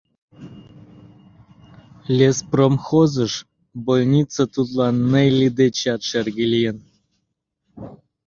Леспромхозыш больница тудлан Нелли дечат шерге лийын.